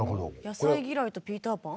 野菜嫌いとピーターパン？